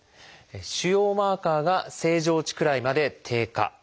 腫瘍マーカーが正常値くらいまで低下。